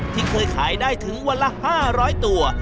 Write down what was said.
ที่เคยขายได้ถึงวันละ๕๐๐ตัว